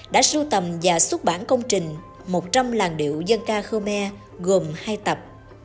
đã sưu tầm và xuất bản công trình một trăm linh làng điệu dân ca khmer gồm hai tập